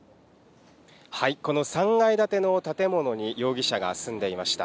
この３階建ての建物に、容疑者が住んでいました。